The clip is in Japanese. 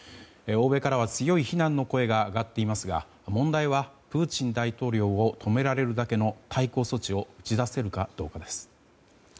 欧米からは強い非難の声が上がっていますが問題はプーチン大統領を止められるだけの対抗措置を打ち出せるかどうかです。